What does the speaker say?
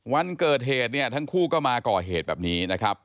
วันเกิดเหตุเนี่ยทั้งคู่ก็มาก่อเหตุแบบนี้นะครับ